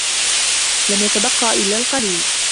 لم يتبقى إلا القليل.